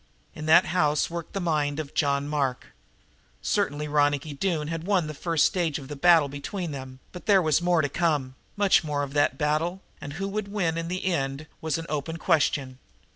In that house worked the mind of John Mark. Certainly Ronicky Doone had won the first stage of the battle between them, but there was more to come much more of that battle and who would win in the end was an open question.